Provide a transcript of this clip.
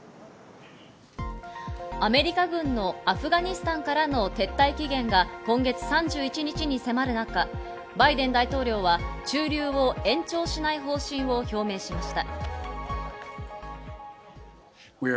アメリカ軍のアフガニスタンからの撤退期限が今月３１日に迫る中、バイデン大統領は駐留を延長しない方針を表明しました。